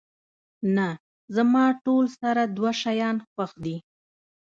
نه، زما ټول سره دوه شیان خوښ دي.